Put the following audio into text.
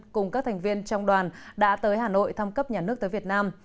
cùng các thành viên trong đoàn đã tới hà nội thăm cấp nhà nước tới việt nam